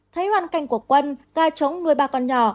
thấy hoàn cảnh của quân gà trống nuôi ba con nhỏ